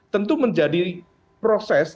tentu menjadi proses